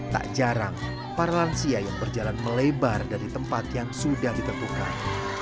tak jarang para lansia yang berjalan melebar dari tempat yang sudah ditentukan